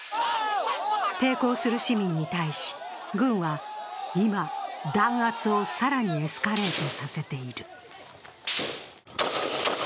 抵抗する市民に対し、軍は今、弾圧を更にエスカレートさせている。